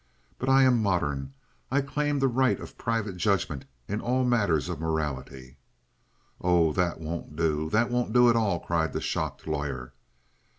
"But I am modern; I claim the right of private judgment in all matters of morality." "Oh, that won't do that won't do at all!" cried the shocked lawyer.